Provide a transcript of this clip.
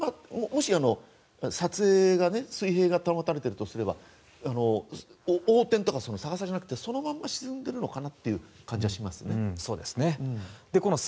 もし撮影が水平が保たれているとすれば横転とか逆さじゃなくてそのまま沈んでいるのかなという感じがしますね。